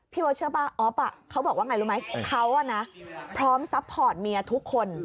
เบิร์ตเชื่อป่ะอ๊อฟเขาบอกว่าไงรู้ไหมเขาพร้อมซัพพอร์ตเมียทุกคน